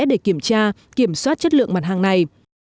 để kiểm tra kiểm soát chất lượng mặt hàng này